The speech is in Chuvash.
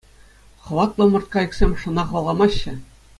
Хӑватлӑ ӑмӑрткайӑксем шӑна хӑваламаҫҫӗ.